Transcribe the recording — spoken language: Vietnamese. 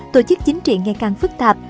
tổ chức chính trị ngày càng phức tạp